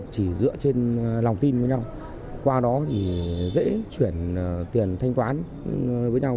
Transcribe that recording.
chỉ dựa trên lòng tin với nhau qua đó thì dễ chuyển tiền thanh toán với nhau